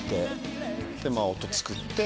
音作って。